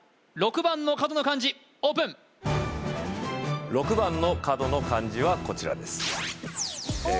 ６番の角の漢字オープン６番の角の漢字はこちらですええ